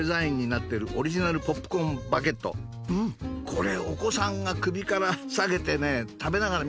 これお子さんが首から下げてね食べながら見てるのよ。